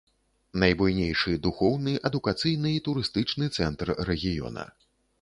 Найбуйнейшы духоўны, адукацыйны і турыстычны цэнтр рэгіёна.